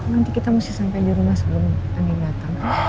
nanti kita mesti sampai di rumah sebelum anda datang